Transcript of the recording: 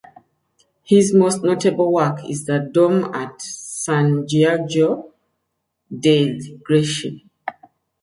His most notable work is the Dome at San Giorgio dei Greci.